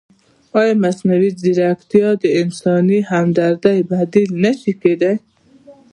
ایا مصنوعي ځیرکتیا د انساني همدردۍ بدیل نه شي کېدای؟